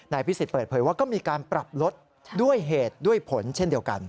พิสิทธิเปิดเผยว่าก็มีการปรับลดด้วยเหตุด้วยผลเช่นเดียวกัน